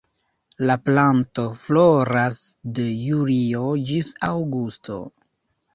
La planto floras de julio ĝis aŭgusto.